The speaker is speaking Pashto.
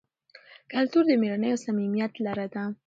کلتور د مېړانې او صمیمیت لاره ده.